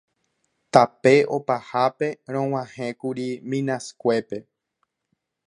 Tape opahápe rog̃uahẽkuri Minaskuépe.